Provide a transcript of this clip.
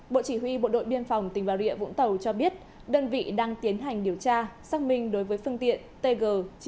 bộ chỉ huy bộ đội biên phòng tỉnh bà rịa vũng tàu cho biết đơn vị đang tiến hành điều tra xác minh đối với phương tiện tg chín nghìn ba trăm chín mươi chín